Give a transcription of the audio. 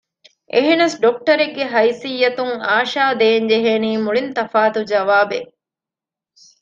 އެހެނަސް ޑޮކްޓަރެއްގެ ހައިސިއްޔަތުން އާޝާ ދޭން ޖެހޭނީ މުޅިން ތަފާތު ޖަވާބެއް